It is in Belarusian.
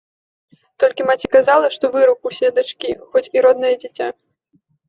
Толькі маці казала, што выракуся дачкі, хоць і роднае дзіця.